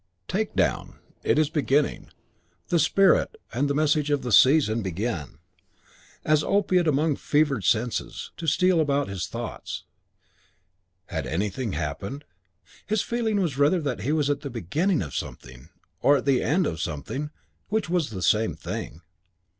III Take down: it is beginning. The spirit and the message of the season (as they communicated themselves to him) began, as opiate among enfevered senses, to steal about his thoughts. Had anything happened? His feeling was rather that he was at the beginning of something; or at the end of something, which was the same thing.